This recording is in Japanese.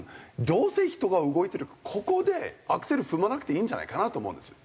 どうせ人が動いてるここでアクセル踏まなくていいんじゃないかなと思うんですよ。